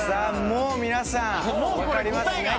もうみなさん分かりますね